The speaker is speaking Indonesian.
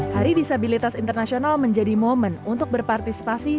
hari disabilitas internasional menjadi momen untuk berpartisipasi